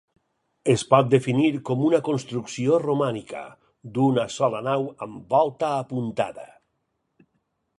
Es pot definir com una construcció romànica, d'una sola nau amb volta apuntada.